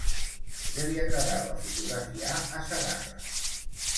Què li agradava fotografiar a Sagarra?